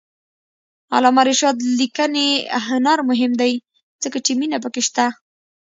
د علامه رشاد لیکنی هنر مهم دی ځکه چې مینه پکې شته.